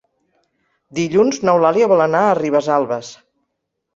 Dilluns n'Eulàlia vol anar a Ribesalbes.